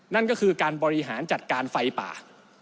นั่นก็คือการบริหารจัดการไฟป่า